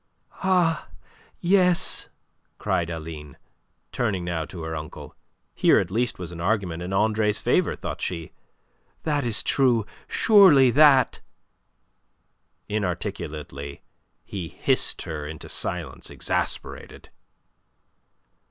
"Ah, yes!" cried Aline, turning now to her uncle. Here at least was an argument in Andre's favour, thought she. "That is true. Surely that..." Inarticulately he hissed her into silence, exasperated.